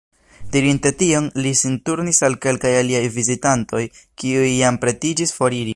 Dirinte tion, li sin turnis al kelkaj aliaj vizitantoj, kiuj jam pretiĝis foriri.